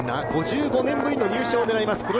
５５年ぶりの入賞を目指します